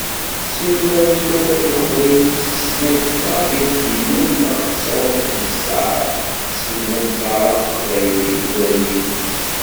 Simmal yettwaway uqbayli s tesnakta i as-d-yennan ilaq ad tesɛuḍ taflest s teɛrabt, simmal tɛerreq teqbaylit, iderrem yidles.